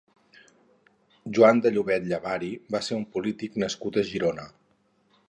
Joan de Llobet Llavari va ser un polític nascut a Girona.